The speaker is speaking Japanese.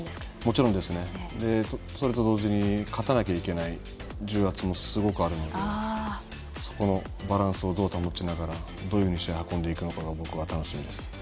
それと同時に勝たないといけない重圧もすごくあるのでそこのバランスをどう保ちながらどう試合を運んでいくかが僕は楽しみです。